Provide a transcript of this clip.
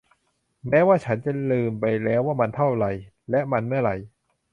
แม้ว่าฉันจะลืมไปแล้วว่ามันเท่าไหร่ และมันเมื่อไหร่